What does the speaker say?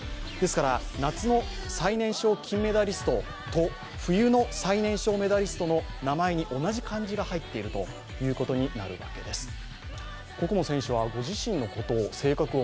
ですから夏の最年少金メダリストと冬の最年少メダリストの名前に同じ漢字が入っているということになるわけです。